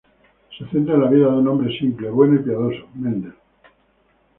Se centra en la vida de un hombre simple, bueno y piadoso, Mendel.